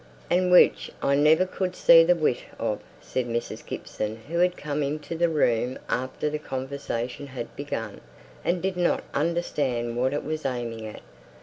"And which I never could see the wit of," said Mrs. Gibson, who had come into the room after the conversation had begun; and did not understand what it was aiming at.